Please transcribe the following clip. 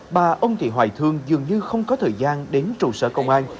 bà ông thị hoài thương dường như không có thời gian đến trụ sở công an